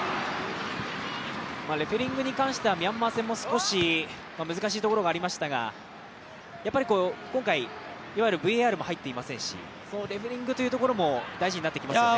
レフェリングに関してはミャンマー戦も少し難しいところがありましたが、やっぱり今回、ＶＡＲも入っていませんし、レフェリングというところも難しいところがありますね。